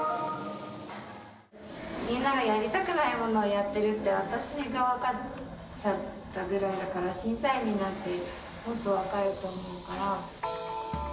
みんながやりたくないものをやってるって、私が分かっちゃったぐらいだから、審査員にだって、もっと分かると思うから。